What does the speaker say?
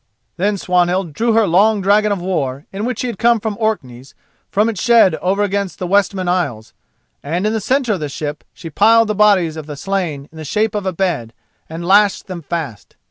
Then Swanhild drew her long dragon of war, in which she had come from Orkneys, from its shed over against Westman Isles, and in the centre of the ship, she piled the bodies of the slain in the shape of a bed, and lashed them fast.